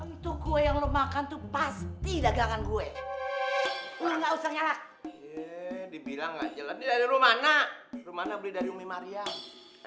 ini dari rumah anak rumah anak beli dari umi mariam